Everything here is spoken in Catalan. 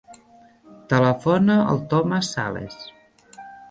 Telefona al Thomas Sales.